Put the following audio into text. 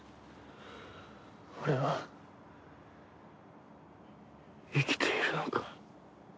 俺は生きているのか？